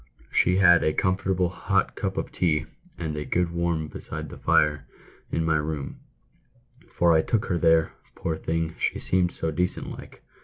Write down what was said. " She had a comfortable hot cup of tea and a good warm beside the fire in my room — for I took her there, poor thing, she seemed so decent like.